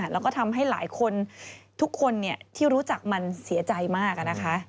แล้วก็ทำให้หลายคนทุกคนที่รู้จักมันเสียใจมากนะคะ